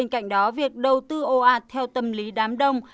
cạnh đó việc đầu tư ồ ạt theo tâm lý đám đông